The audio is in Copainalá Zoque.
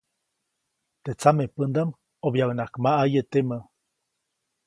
Teʼ tsamepändaʼm ʼobyaʼuŋnaʼak maʼaye temä.